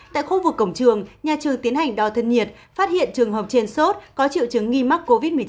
tại khu vực cổng trường nhà trường tiến hành đo thân nhiệt phát hiện trường hợp trên sốt có triệu chứng nghi mắc covid một mươi chín